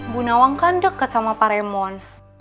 bu nawang kan deket sama pak remon